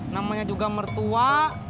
namanya juga mertua